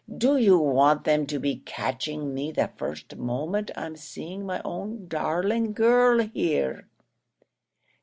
do you want them to be catching me the first moment I'm seeing my own darling girl here?"